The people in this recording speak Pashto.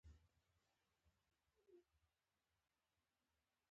بيا به له سوړ اسويلي سره په مېز پرېوتله.